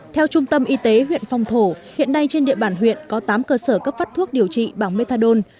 theo trung tâm y tế huyện phong thổ hiện nay trên địa bàn huyện có tám cơ sở cấp phát thuốc điều trị bằng methadone